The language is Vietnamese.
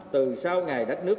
từ sau ngày đất nước